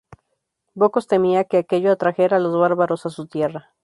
Bocos temía que aquello atrajera a los bárbaros a su tierra.